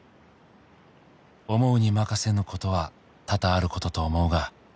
「思うに任せぬことは多々あることと思うが」